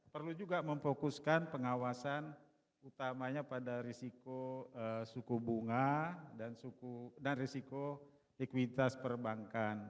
perlu juga memfokuskan pengawasan utamanya pada risiko suku bunga dan risiko likuiditas perbankan